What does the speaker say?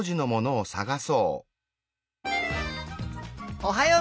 おはよう！